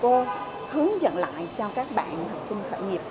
chúng ta hướng dẫn lại cho các bạn học sinh khởi nghiệp